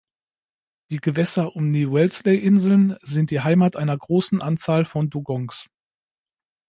Die Gewässer um die Wellesley-Inseln sind die Heimat einer großen Anzahl von Dugongs.